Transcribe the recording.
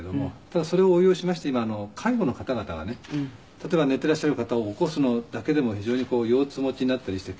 ただそれを応用しまして今介護の方々がね例えば寝ていらっしゃる方を起こすのだけでも非常に腰痛持ちになったりして。